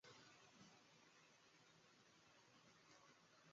维耶河畔圣迈克桑人口变化图示